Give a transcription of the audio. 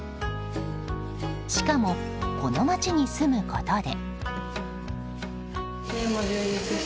しかも、この町に住むことで。